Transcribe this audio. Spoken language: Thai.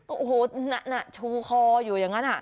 โอ้โหนั่นน่ะชูคออยู่อย่างนั้น